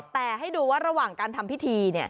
แต่ให้ดูว่าระหว่างการทำพิธี